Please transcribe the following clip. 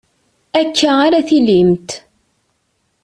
Akka ara tillimt.